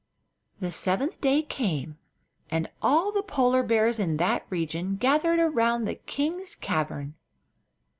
The seventh day came, and all the Polar bears in that region gathered around the king's cavern.